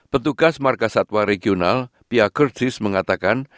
petugas markasatwa regional pia gertzis mengatakan